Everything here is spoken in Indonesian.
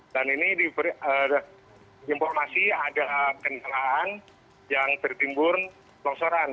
dan ini diberi informasi ada kenyalaan yang tertimbun longsoran